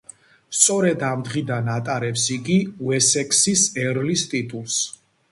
სწორედ ამ დღიდან ატარებს იგი უესექსის ერლის ტიტულს.